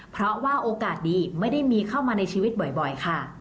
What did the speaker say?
เพราะว่าโอกาสดีไม่ได้มีเข้ามาในชีวิตบ่อยค่ะ